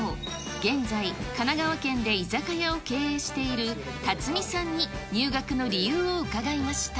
現在、神奈川県で居酒屋を経営している辰己さんに入学の理由を伺いまし